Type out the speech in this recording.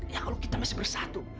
ya allah kita masih bersatu